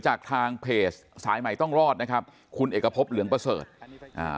จากทางเพจสายใหม่ต้องรอดนะครับคุณเอกพบเหลืองประเสริฐอ่า